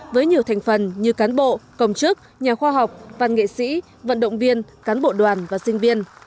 với nhiều thành phần như cán bộ công chức nhà khoa học văn nghệ sĩ vận động viên cán bộ đoàn và sinh viên